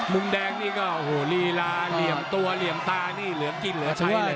มุมแดงนี่ก็โอ้โหลีลาเหลี่ยมตัวเหลี่ยมตานี่เหลือกินเหลือใช้เลย